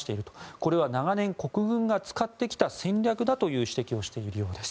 これは長年、国軍が使ってきた戦略だという指摘をしているようです。